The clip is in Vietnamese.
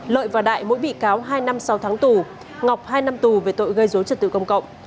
lợi và đại mỗi bị cáo hai năm sáu tháng tù ngọc hai năm tù về tội gây dối trật tự công cộng